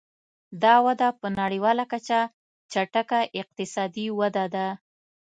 دا وده په نړیواله کچه چټکه اقتصادي وده ده.